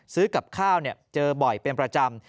ซื้อกับข้าวเจอบ่อยเป็นประจำ